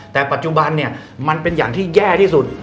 แต่ปัจจุบันเนี่ยมันเป็นอย่างที่แย่ที่สุด